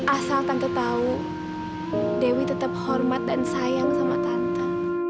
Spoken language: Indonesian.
asal tante tahu dewi tetap hormat dan sayang sama tante